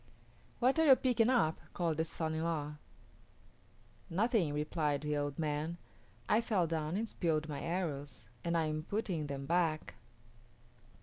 "What are you picking up?" called the son in law. "Nothing," replied the old man. "I fell down and spilled my arrows, and I am putting them back."